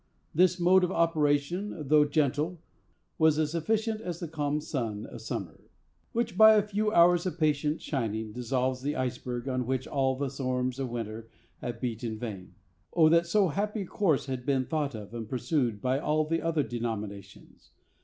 This mode of operation, though gentle, was as efficient as the calm sun of summer, which, by a few hours of patient shining, dissolves the iceberg on which all the storms of winter have beat in vain. O, that so happy a course had been thought of and pursued by all the other denominations!